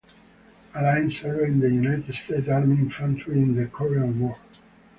Allain served in the United States Army infantry in the Korean War.